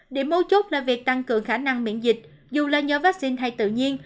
điểm mâu chốt là việc tăng cường khả năng miễn dịch dù là nhờ vắc xin hay tự nhiên